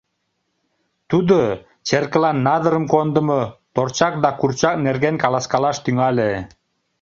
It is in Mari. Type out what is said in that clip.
Тудо черкылан надырым кондымо, торчак да курчак нерген каласкалаш тӱҥале.